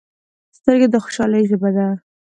سترګې د خوشحالۍ ژبه ده